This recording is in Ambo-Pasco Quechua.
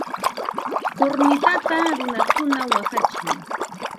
Kurnitata runakuna waqachin.